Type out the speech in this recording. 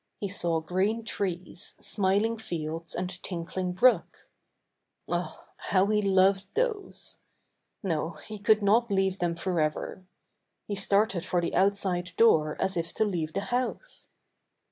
He saw green trees, smiling 124 Buster the Bear fields and tinkling brook. Ah, how he loved those! No, he could not leave them forever. He started for the outside door as if to leave the house.